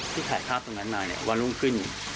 ที่ถ่ายภาพตรงนั้นมาวันรุ่นขึ้น